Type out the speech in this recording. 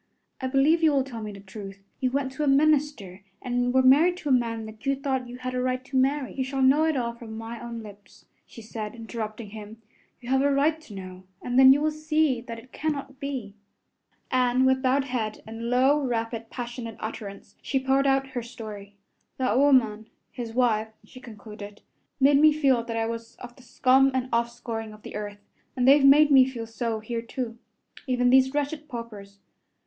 I believe you will tell me the truth. You went to a minister and were married to a man that you thought you had a right to marry " "You shall know it all from my own lips," she said, interrupting him; "you have a right to know; and then you will see that it cannot be," and with bowed head, and low, rapid, passionate utterance, she poured out her story. "That woman, his wife," she concluded, "made me feel that I was of the scum and offscouring of the earth, and they've made me feel so here, too even these wretched paupers.